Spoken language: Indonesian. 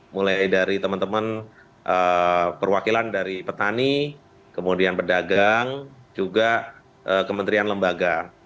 mulai dari teman teman perwakilan dari petani kemudian pedagang juga kementerian lembaga